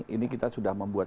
ini kita sudah membuat